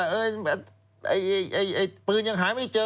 เนี่ยปืนยังหายไม่เจอ